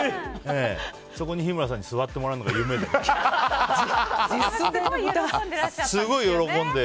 そこに日村さんに座ってもらうのが夢で。